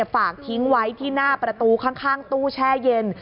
ฝากทิ้งไว้ที่หน้าประตูข้างตู้แช่เย็น